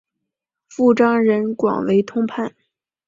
父张仁广为通判。